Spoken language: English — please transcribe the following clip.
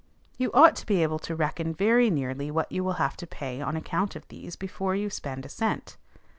You ought to be able to reckon very nearly what you will have to pay on account of these before you spend a cent.